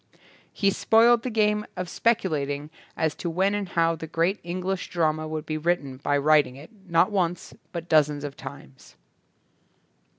He spoiled the game of speculating as to when and how the great English drama would be written by writing it, not once but dozens of times.